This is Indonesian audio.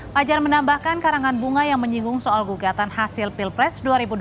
fajar menambahkan karangan bunga yang menyinggung soal gugatan hasil pilpres dua ribu dua puluh